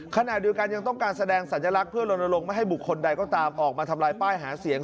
ขณะเดียวกันยังต้องการแสดงสัญลักษณ์เพื่อลนลงไม่ให้บุคคลใดก็ตามออกมาทำลายป้ายหาเสียง